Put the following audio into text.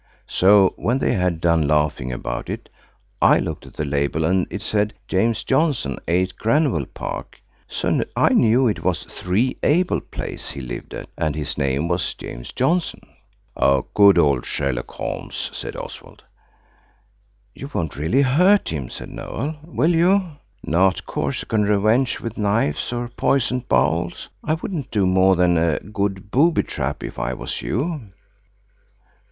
So when they had done laughing about it I looked at the label and it said, 'James Johnson, 8, Granville Park.' So I knew it was 3, Abel Place, he lived at, and his name was James Johnson." "Good old Sherlock Holmes!" said Oswald. "You won't really hurt him," said Noël, "will you? Not Corsican revenge with knives, or poisoned bowls? I wouldn't do more than a good booby trap, if I was you."